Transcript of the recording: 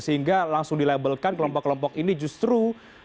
sehingga langsung dilabelkan kelompok kelompok ini justru